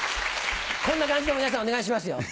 こんな感じで皆さんお願いしますよ。